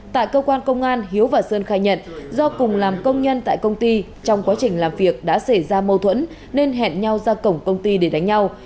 tại cơ quan công an hiếu và sơn khai nhận do cùng làm công nhân tại công ty trong quá trình làm việc đã xảy ra mâu thuẫn nên hẹn nhau ra cổng công ty để đánh nhau